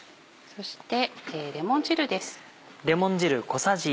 そしてレモン汁です。